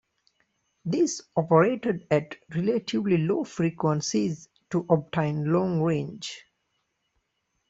This operated at relatively low frequencies to obtain long range.